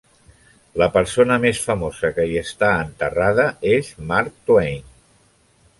La persona més famosa que hi està enterrada és Mark Twain.